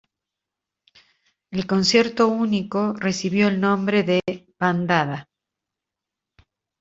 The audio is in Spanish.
El concierto único recibió el nombre de Bandada.